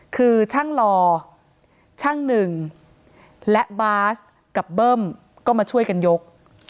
คือช่างลอช่างหนึ่งและบาสกับเบิ้มก็มาช่วยกันยก